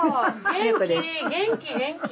元気元気。